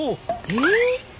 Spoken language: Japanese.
えっ！？